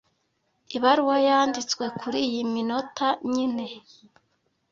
Ibaruwa yanditswe kuriyi minota nyine.